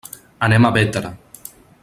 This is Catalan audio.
Anem a Bétera.